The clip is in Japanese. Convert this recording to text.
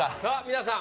皆さん！